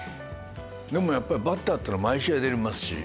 でもやっぱりバッターっていうのは毎試合出られますし。